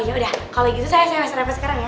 yaudah kalo gitu saya nanya si reva sekarang ya